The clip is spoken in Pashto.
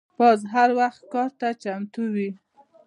باز هر وخت ښکار ته چمتو وي